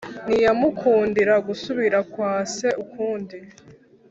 ntiyamukundira gusubira kwa se ukundi.